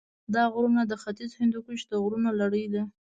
دا غرونه د ختیځ هندوکش د غرونو لړۍ ده.